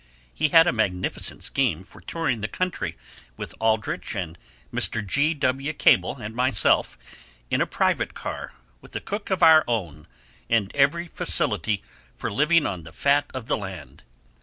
He had a magnificent scheme for touring the country with Aldrich and Mr. G. W. Cable and myself, in a private car, with a cook of our own, and every facility for living on the fat of the land.